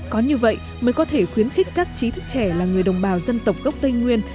có như vậy mới có thể khuyến khích các trí thức trẻ là người đồng bào dân tộc gốc tây nguyên